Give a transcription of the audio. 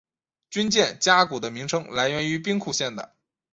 军舰加古的名称来源于兵库县的。